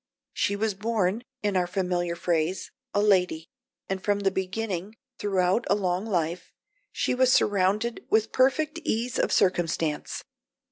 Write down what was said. She was born, in our familiar phrase, a lady, and from the beginning, throughout a long life, she was surrounded with perfect ease of circumstance.